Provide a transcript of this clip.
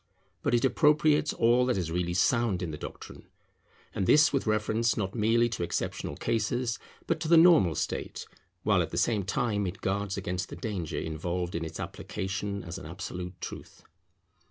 But it appropriates all that is really sound in the doctrine, and this with reference not merely to exceptional cases but to the normal state; while at the same time it guards against the danger involved in its application as an absolute truth.